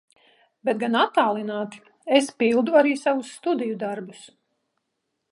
Bet gan attālināti, es pildu arī savus studiju darbus.